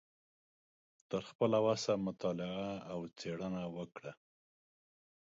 تر خپله وسه مطالعه او څیړنه وکړه